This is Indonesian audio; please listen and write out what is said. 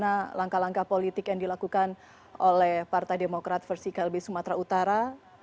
bagaimana langkah langkah politik yang dilakukan oleh partai demokrat versi klb sumatera utara